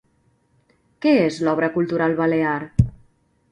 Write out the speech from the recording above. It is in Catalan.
Què és l'Obra Cultural Balear?